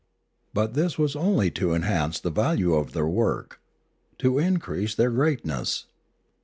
But this was only to en hance the value of their work, to increase their great ness.